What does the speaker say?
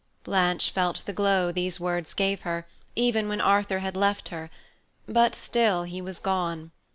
Blanche felt the glow these words gave her, even when Arthur had left her, but still he was gone.